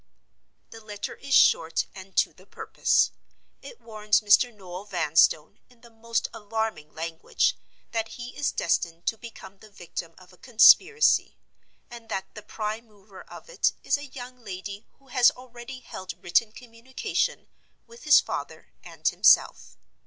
The letter is short, and to the purpose. It warns Mr. Noel Vanstone, in the most alarming language, that he is destined to become the victim of a conspiracy; and that the prime mover of it is a young lady who has already held written communication with his father and himself.